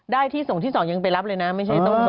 ได้ที่ส่งที่สองยังไปรับเลยนะ